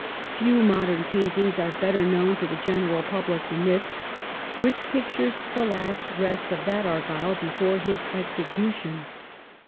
Few modern paintings are better known to the general public than this, which pictures the last rest of that Argyle before his execu tion.